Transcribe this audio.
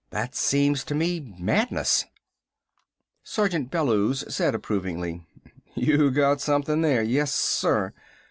That seems to me madness!" Sergeant Bellews said approvingly: "You got something there! Yes, sir!